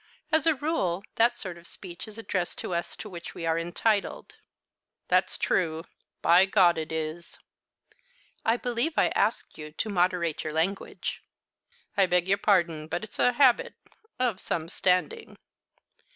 As a rule, that sort of speech is addressed to us to which we are entitled." "That's true. By God, it is!" "I believe I asked you to moderate your language." "I beg your pardon; but it's a habit of some standing."